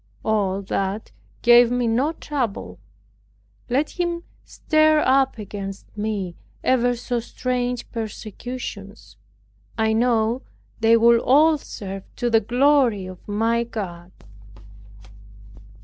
All that gave me no trouble. Let him stir up against me ever so strange persecutions. I know they will all serve to the glory of my God.